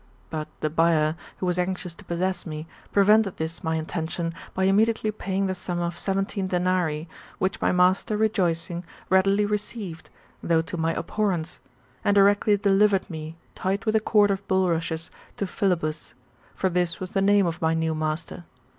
But the buyer, who was anxious to possess me, prevented this my intention by imme diately paying the sum of seventeen denarii, which my master rejoicing readily received, though to my abhorrence ; and directly delivered me, tied with a cord of bulrushes, to Phile bus ; for this was the name of my new master.